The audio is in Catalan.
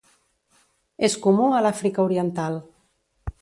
És comú a l'Àfrica oriental.